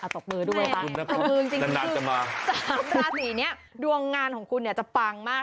ตกมือด้วยตกมือจริงคือสามราศรีนี้ดวงงานของคุณจะปางมาก